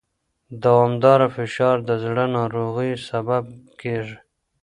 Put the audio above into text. دوامداره فشار د زړه ناروغیو سبب کېږي.